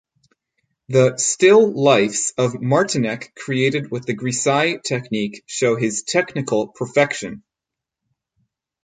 The still lifes of Martinec created with the grisaille technique show his technical perfection.